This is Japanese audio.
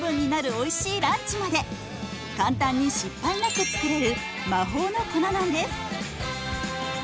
おいしいランチまで簡単に失敗なく作れる魔法の粉なんです。